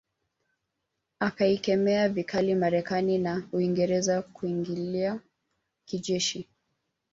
Akaikemea vikali Marekani na na Uingereza kuiingilia kijeshi